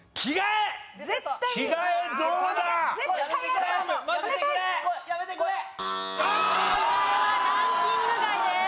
着替えはランキング外です。